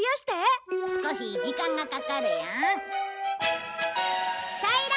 少し時間がかかるよ。